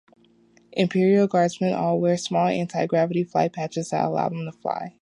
Imperial Guardsmen all wear small anti-gravity "flight patches" that allow them to fly.